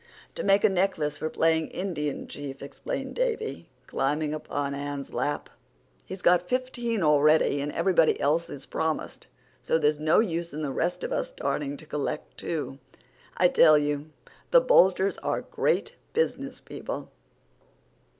"To make a necklace for playing Indian Chief," explained Davy, climbing upon Anne's lap. "He's got fifteen already, and everybody's else's promised, so there's no use in the rest of us starting to collect, too. I tell you the Boulters are great business people."